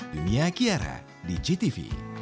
dunia kiara di jtv